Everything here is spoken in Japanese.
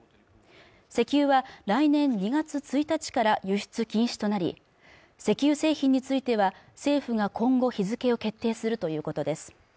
石油は来年２月１日から輸出禁止となり石油製品については政府が今後日付を決定するということです